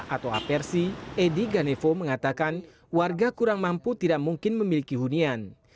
atau apersi edi ganevo mengatakan warga kurang mampu tidak mungkin memiliki hunian